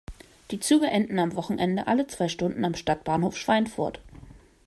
Die Züge enden am Wochenende alle zwei Stunden am Stadtbahnhof Schweinfurt.